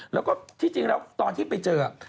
แล้วก็ที่จริงแล้วตอนที่ไปเจอ